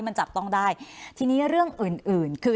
มันก็เป็นเรื่องรูปภาพ